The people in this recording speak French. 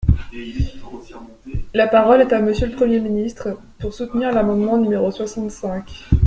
La parole est à Monsieur le Premier ministre, pour soutenir l’amendement numéro soixante-cinq.